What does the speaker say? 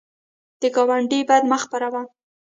د ګاونډي بدي مه خپروه